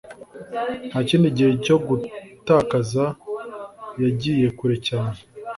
ntakindi gihe cyo gutakaza yagiye kure cyane